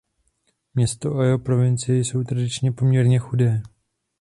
Město a jeho provincie jsou tradičně poměrně chudé.